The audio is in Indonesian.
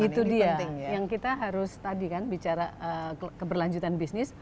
itu dia yang kita harus tadi kan bicara keberlanjutan bisnis